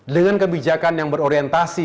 dengan kebijakan yang berorientasi